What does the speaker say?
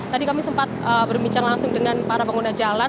tadi kami sempat berbincang langsung dengan para pengguna jalan